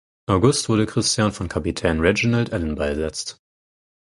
August wurde Christian von Kapitän Reginald Allenby ersetzt.